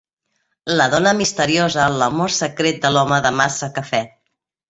La dona misteriosa - l'amor secret de l'Home de Massa Cafè.